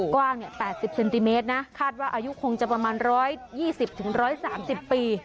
กว้างเนี่ยแปดสิบเซนติเมตรนะคาดว่าอายุคงจะประมาณร้อยยี่สิบถึงร้อยสามสิบปี